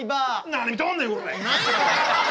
何見とんねんこら。